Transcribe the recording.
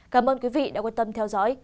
cảm ơn quý vị đã quan tâm theo dõi